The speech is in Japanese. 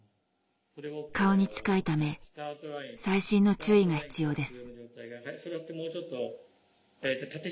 顔に近いため細心の注意が必要です。